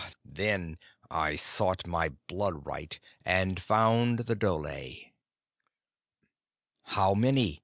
Then sought I my Blood Right and found the dhole." "How many?"